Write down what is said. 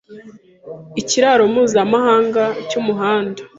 Ikiraro mpuzamahanga cyumuhanda